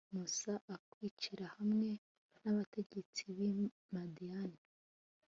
musa akamwicira hamwe n'abategetsi b'i madiyani